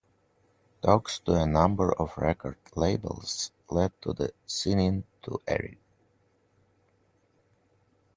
Talks to a number of record labels led to the signing to Epic.